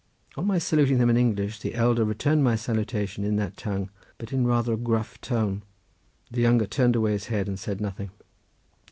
On my saluting them in English the elder returned my salutation in that tongue, but in rather a gruff tone. The younger turned away his head and said nothing.